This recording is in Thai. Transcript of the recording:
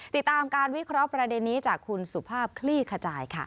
ติดตามการวิเคราะห์ประเด็นนี้จากคุณสุภาพคลี่ขจายค่ะ